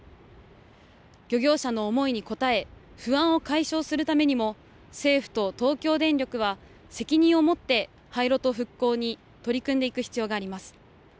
漁業者の思いに応え不安を解消するためにも政府と東京電力は責任を持って廃炉と復興に取り組んでいく必要があります。